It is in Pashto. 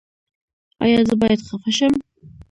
ایا زه باید خفه شم؟